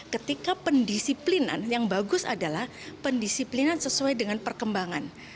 ketika pendisiplinan yang bagus adalah pendisiplinan sesuai dengan perkembangan